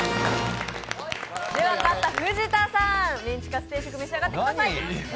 では、勝った藤田さん、メンチカツ定食召し上がってください。